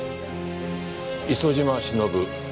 磯島忍